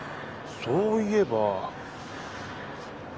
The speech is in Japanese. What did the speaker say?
そういえば。